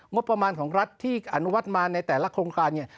งบประมาณของรัฐที่อนุมัติมาในแต่ละโครงการเนี่ย